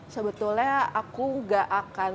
sebetulnya aku gak akan